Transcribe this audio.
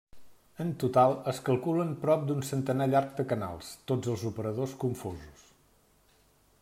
En total es calculen prop d'un centenar llarg de canals, tots els operadors confosos.